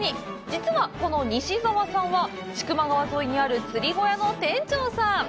実は、この西沢さんは千曲川沿いにある釣り小屋の店長さん。